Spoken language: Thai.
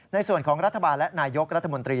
ในส่วนของรัฐบาลและนายกรัฐมนตรี